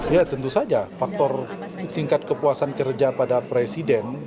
ya tentu saja faktor tingkat kepuasan kerja pada presiden